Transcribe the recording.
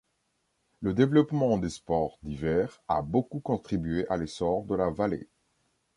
Le développement des sports d'hiver a beaucoup contribué à l'essor de la vallée.